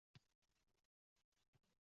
Bir ozdan keyin arrani olib oyisiga ko‘rsatdi